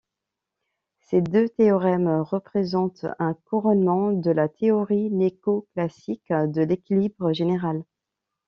Ces deux théorèmes représentent un couronnement de la théorie néoclassique de l'équilibre général.